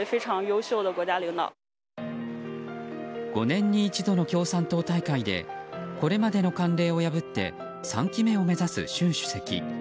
５年に一度の共産党大会でこれまでの慣例を破って３期目を目指す習主席。